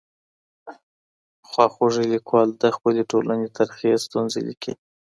خواخوږي ليکوال د خپلي ټولني ترخې ستونزې ليکلې.